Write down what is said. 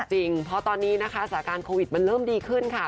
จริงเพราะตอนนี้นะคะสถานการณ์โควิดมันเริ่มดีขึ้นค่ะ